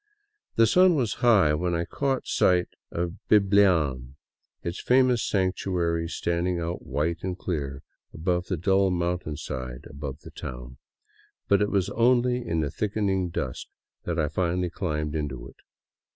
The sun was still high when I caught sight of Biblian, its famous sanctuary standing out white and clear against the dull mountainside above the town. But it was only in the thickening dusk that I finally climbed into it.